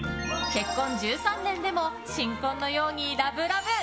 結婚１３年でも新婚のようにラブラブ。